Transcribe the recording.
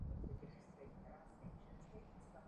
Video životopis se hodí spíše pro kreativní obory.